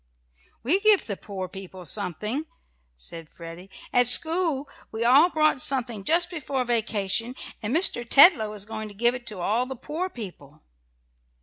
"We give the poor people something," said Freddie. "At school we all brought something just before vacation, and Mr. Tetlow is going to give it to all the poor people."